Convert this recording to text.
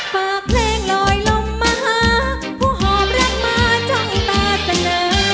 ฝากเพลงลอยลงมาหาผู้หอบรักมาจ้องตาเสนอ